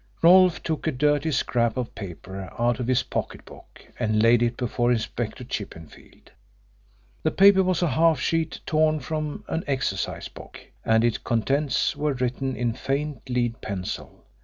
Rolfe took a dirty scrap of paper out of his pocket book and laid it before Inspector Chippenfield. The paper was a half sheet torn from an exercise book, and its contents were written in faint lead pencil.